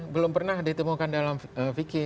karena ditemukan dalam vk